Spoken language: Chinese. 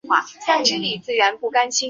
魏孝明帝时尚书左仆射。